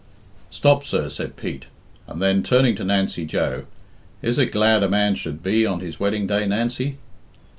"Stop, sir," said Pete, and then, turning to Nancy Joe, "Is it glad a man should be on his wedding day, Nancy?"